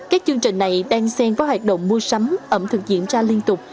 các chương trình này đang xen với hoạt động mua sắm ẩm thực diễn ra liên tục